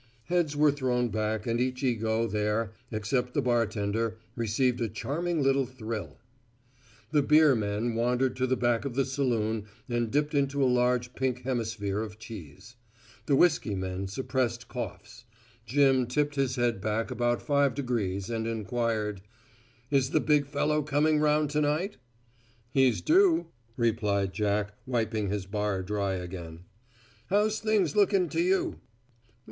Heads were thrown back and each ego there, except the bartender, received a charming little thrill. The beer men wandered to the back of the saloon and dipped into a large pink hemisphere of cheese. The whisky men suppressed coughs. Jim tipped his head back about five degrees and inquired, "Is the big fellow coming 'round to night?" "He's due," replied Jack, wiping his bar dry again. "How's things looking to you?"